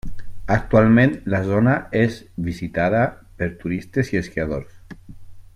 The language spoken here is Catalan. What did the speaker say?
Actualment la zona és visitada per turistes i esquiadors.